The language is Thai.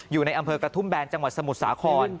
อยู่ในอำเภอกระทุ่มแบนจังหวัดสมุทรสาคร